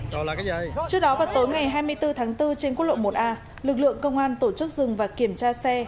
trước đó vào tối ngày hai mươi bốn tháng bốn trên quốc lộ một a lực lượng công an tổ chức dừng và kiểm tra xe